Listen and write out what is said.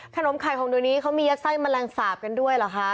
ขนมไข่หงดูนี้เค้ามียักษ์ไส้มะแรงสาบกันด้วยเหรอคะ